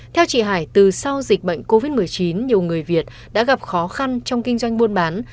theo chị hải từ sau dịch bệnh covid một mươi chín nhiều người việt đã gặp khó khăn trong kinh doanh buôn bán